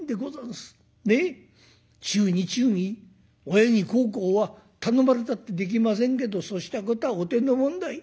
親に孝行は頼まれたってできませんけどそうしたことはお手のもんだい。